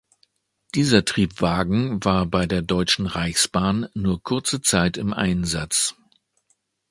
Dieser Triebwagen war bei der Deutschen Reichsbahn nur kurze Zeit im Einsatz.